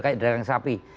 kayak derang sapi